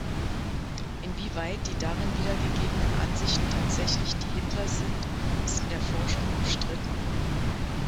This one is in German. Inwieweit die darin wiedergegebenen Ansichten tatsächlich die Hitlers sind, ist in der Forschung umstritten.